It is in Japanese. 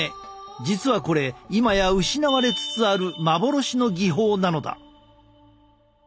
実はこれ今や失われつつある幻の技法なのだ。